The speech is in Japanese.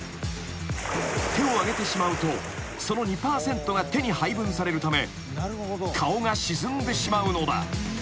［手を上げてしまうとその２％が手に配分されるため顔が沈んでしまうのだ］